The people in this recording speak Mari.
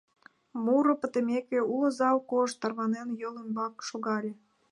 Муро пытымеке, уло зал, кож-ж тарванен, йол ӱмбак шогале.